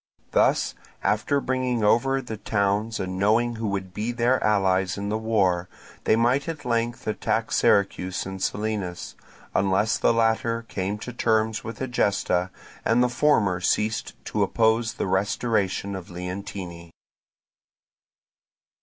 Thus, after bringing over the towns and knowing who would be their allies in the war, they might at length attack Syracuse and Selinus; unless the latter came to terms with Egesta and the former ceased to oppose the restoration of Leontini.